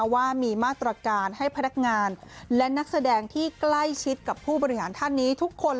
ว่ามีมาตรการให้พนักงานและนักแสดงที่ใกล้ชิดกับผู้บริหารท่านนี้ทุกคน